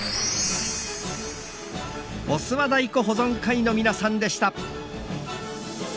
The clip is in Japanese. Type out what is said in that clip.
御諏訪太鼓保存会の皆さんでした。